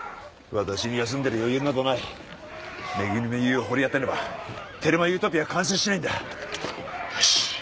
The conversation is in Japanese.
私に休んでる余裕などない恵みの湯を掘り当てねばテルマエ・ユートピアは完成しないんだよし